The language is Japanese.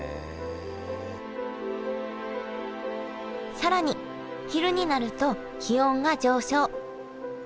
更に昼になると気温が上昇。